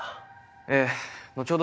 ええ後ほど